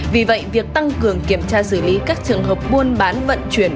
vì vậy việc tăng cường kiểm tra xử lý các trường hợp buôn bán vận chuyển